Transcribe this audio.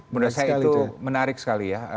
menurut saya itu menarik sekali ya